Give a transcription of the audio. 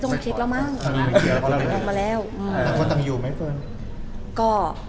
แต่เราทราบมาที่การงานเขาไหมคะ